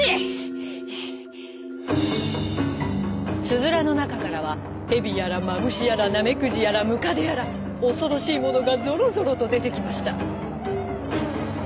つづらのなかからはヘビやらマムシやらナメクジやらムカデやらおそろしいものがぞろぞろとでてきました。